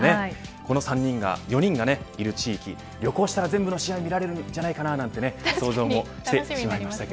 この４人がいる地域旅行したら全部の試合見られるんじゃないかなと想像してしまいました。